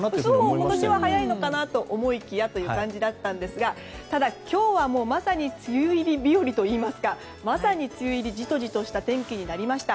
今年は早いのかなと思いきやという感じだったんですがただ、今日はまさに梅雨入り日和といいますかまさに梅雨入りじとじとした天気となりました。